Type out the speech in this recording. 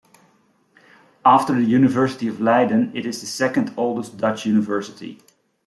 After the University of Leiden, it is the second oldest Dutch university.